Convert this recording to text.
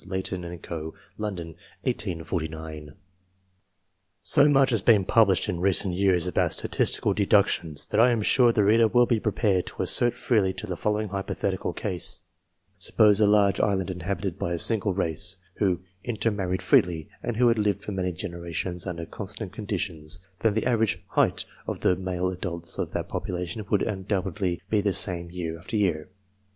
Layton and Co. London: 1849. So much has been published in recent years about statistical deductions, that I am sure the reader will be prepared to assent freely to the following hypothetical case : Suppose a large island inhabited by a single race, who intermarried freely, and who had lived for many generations under constant conditions ; then the average height of the male adults of that population would undoubtedly be the same year after year.